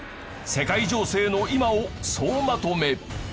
世界情勢の今を総まとめ。